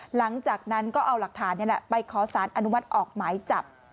หลังจากนั้นก็เอาหลักฐานนี่แหละไปขอสารอนุมัติออกหมายจับ